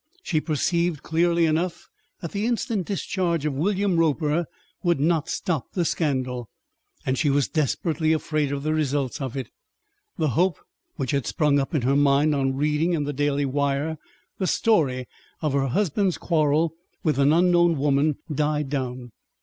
She perceived clearly enough that the instant discharge of William Roper would not stop the scandal, and she was desperately afraid of the results of it. The hope which had sprung up in her mind on reading in the Daily Wire the story of her husband's quarrel with an unknown woman died down.